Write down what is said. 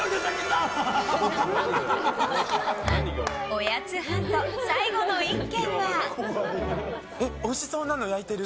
おやつハント最後の１軒は。